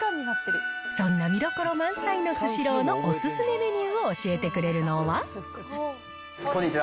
そんな見どころ満載のスシローのお勧めメニューを教えてくれるのこんにちは。